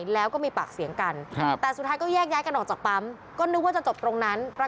แล้วก็มีปากเสียงกันแต่สุดท้ายก็แยกย้ายกันออกจากปั๊มก็นึกว่าจะจบตรงนั้นเพราะ